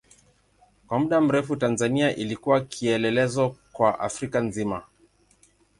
Kwa muda mrefu Tanzania ilikuwa kielelezo kwa Afrika nzima.